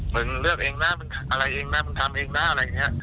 มึงเลือกเองนะมึงอะไรเองนะมึงทำเองนะอะไรอย่างนี้